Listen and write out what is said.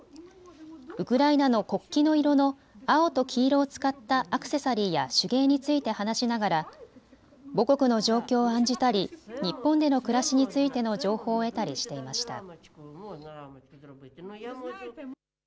ウクライナの国旗の色の青と黄色を使ったアクセサリーや手芸について話しながら母国の状況を案じたり日本での暮らしについての情報を得たりしていました。